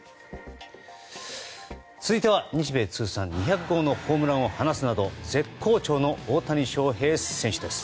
続いては、日米通算２００号のホームランを放つなど絶好調の大谷翔平選手です。